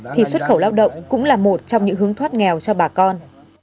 thì xuất khẩu lao động cũng là một trong những hướng thoát nghèo cho bà con